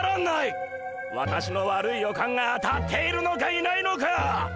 私の悪い予感が当たっているのかいないのか。